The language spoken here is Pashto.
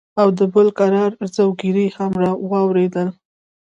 او د بل کرار زگيروي هم واورېدل.